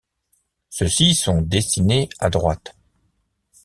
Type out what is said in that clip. Ceux-ci sont dessinés à droite.